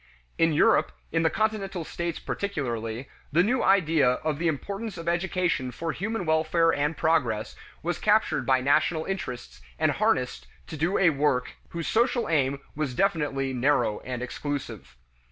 In Europe, in the Continental states particularly, the new idea of the importance of education for human welfare and progress was captured by national interests and harnessed to do a work whose social aim was definitely narrow and exclusive.